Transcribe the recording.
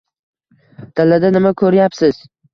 Dalada nima ko‘ryapsiz?